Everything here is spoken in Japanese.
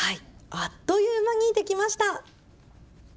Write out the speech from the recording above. あっという間にできました。